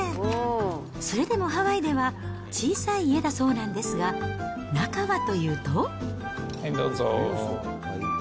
それでもハワイでは小さい家だそうなんですが、はい、どうぞ。